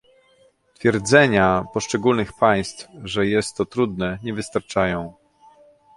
Twierdzenia poszczególnych państw, że jest to trudne, nie wystarczają